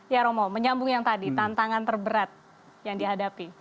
ya romo menyambung yang tadi tantangan terberat yang dihadapi